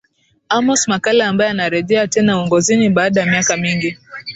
Amos Makalla ambaye anarejea tena uongozini baada ya miaka mingi